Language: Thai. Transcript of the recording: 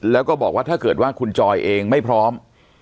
แล้วก็บอกว่าถ้าเกิดว่าคุณจอยเองไม่พร้อม